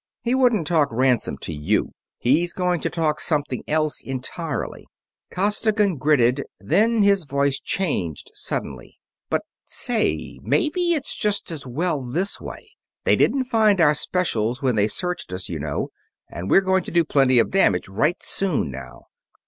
"He wouldn't talk ransom to you he's going to talk something else entirely," Costigan gritted, then his voice changed suddenly. "But say, maybe it's just as well this way. They didn't find our specials when they searched us, you know, and we're going to do plenty of damage right soon now.